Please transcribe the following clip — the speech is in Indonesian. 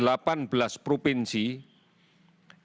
yang masih berhasil melakukan penyelamatkan kasus baru